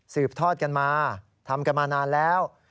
ทอดกันมาทำกันมานานแล้ว